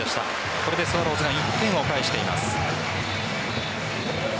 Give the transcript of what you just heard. これでスワローズが１点を返しています。